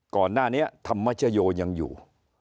ก่อนหน้านี้ธรรมชโยยังอยู่